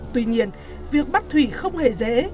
tuy nhiên việc bắt thủy không hề dễ